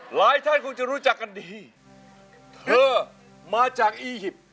หลายท่านคงจะรู้จักกันดีเธอมาจากอียิปต์